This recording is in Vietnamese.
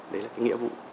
đấy là cái nghĩa vụ